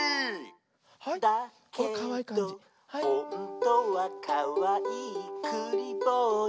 「だけどほんとはかわいいくりぼうや」